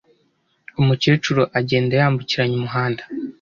Umukecuru agenda yambukiranya umuhanda